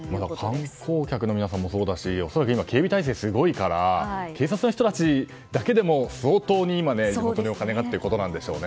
観光客の皆さんもそうだし恐らく今、警備態勢がすごいから警察の人たちだけでも相当にお金がということなんでしょうね。